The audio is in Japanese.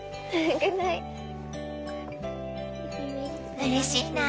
うれしいな。